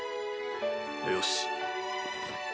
よし。